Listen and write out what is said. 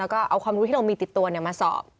แล้วก็เอาความรู้ที่เรามีติดตัวมาสอบ